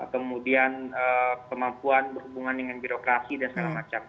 kemudian kemampuan berhubungan dengan birokrasi dan segala macam